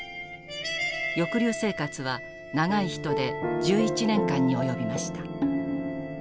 抑留生活は長い人で１１年間に及びました。